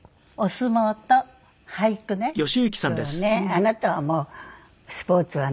あなたはもうスポーツはなんでも。